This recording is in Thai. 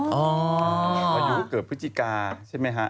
มายูเกิดพฤจิกาใช่มั้ยฮะ